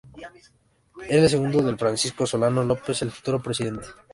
Era el segundo de Francisco Solano López, el futuro presidente.